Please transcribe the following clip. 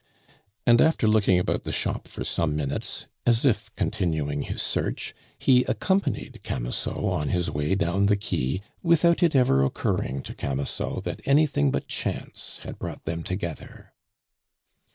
And after looking about the shop for some minutes, as if continuing his search, he accompanied Camusot on his way down the quay without it ever occurring to Camusot that anything but chance had brought them together.